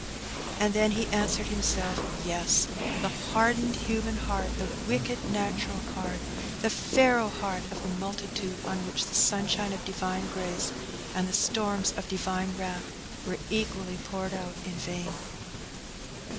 And then he answered himself. Yes!–the hardened human heart, the wicked natural heart, the Pharaoh heart of the multitude, on which the sunshine of Divine Grace and the storms of Divine wrath were equally poured out in vain.